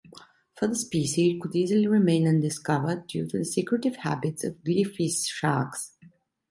Further species could easily remain undiscovered, due to the secretive habits of "Glyphis" sharks.